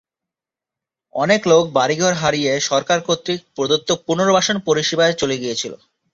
অনেক লোক বাড়িঘর হারিয়ে সরকার কর্তৃক প্রদত্ত পুনর্বাসন পরিষেবায় চলে গিয়েছিল।